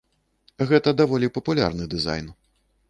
Гэта даволі папулярны дызайн.